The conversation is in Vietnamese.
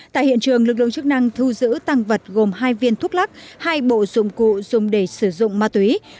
tại hiện trường lực lượng chức năng thu giữ tăng vật gồm hai viên thuốc lắc hai bộ dụng cụ dùng để sử dụng ma túy